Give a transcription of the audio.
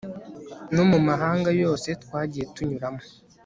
no mu mahanga yose twagiye tunyuramo